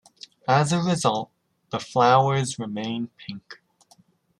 As a result, the flowers remain pink.